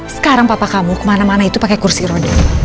sekarang papa kamu kemana mana itu pakai kursi roda